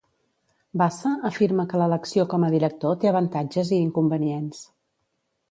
Bassa afirma que l'elecció com a director té avantatges i inconvenients.